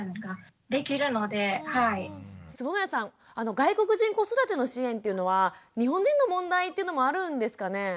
外国人子育ての支援っていうのは日本人の問題っていうのもあるんですかね？